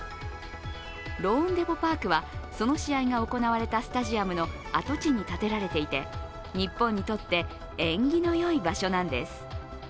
ローンデポ・パークはその試合が行われたスタジアムの跡地に建てられていて日本にとって縁起のいい場所なんです。